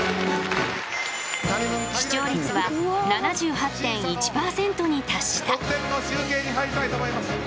視聴率は７８．１％に達した。